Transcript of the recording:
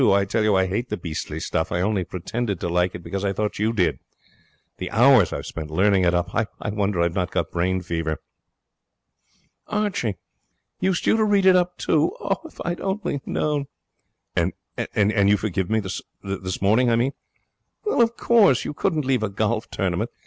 I tell you I hate the beastly stuff. I only pretended to like it because I thought you did. The hours I've spent learning it up! I wonder I've not got brain fever.' 'Archie! Used you to read it up, too? Oh, if I'd only known!' 'And you forgive me this morning, I mean?' 'Of course. You couldn't leave a golf tournament.